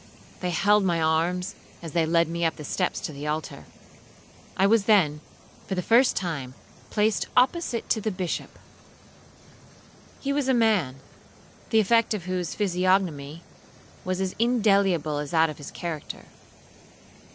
They held my arms as they led me up the steps to the altar. I was then, for the first time, placed opposite to the Bishop. He was a man, the effect of whose physiognomy was as indelible as that of his character.